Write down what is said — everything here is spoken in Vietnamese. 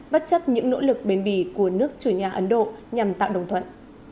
bất chấp những nỗ lực bến bì của nước chủ nhà ấn độ nhằm tạo đồng thuận